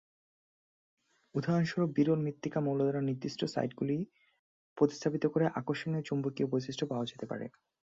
উদাহরণস্বরূপ, বিরল মৃত্তিকা মৌল দ্বারা নির্দিষ্ট সাইটগুলি প্রতিস্থাপিত করে আকর্ষণীয় চৌম্বকীয় বৈশিষ্ট্য পাওয়া যেতে পারে।